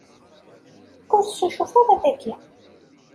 Ur succuf ara dayi.